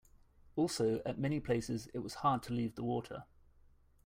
Also, at many places it was hard to leave the water.